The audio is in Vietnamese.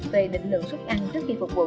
về định lượng sức ăn trước khi phục vụ